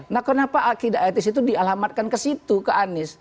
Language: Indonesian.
nah kenapa akidah etis itu dialamatkan ke situ ke anies